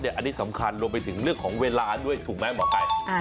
อันนี้สำคัญรวมไปถึงเรื่องของเวลาด้วยถูกไหมหมอไก่